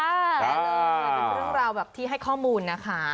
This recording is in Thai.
เป็นเรื่องราวที่ให้ข้อมูลนะคะ